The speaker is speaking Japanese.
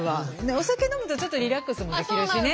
お酒飲むとちょっとリラックスもできるしね。